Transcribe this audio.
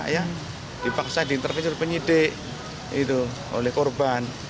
yang dipaksa diintervensi oleh penyidik oleh korban